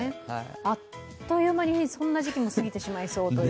あっという間に、そんな時期も過ぎてしまいそうという。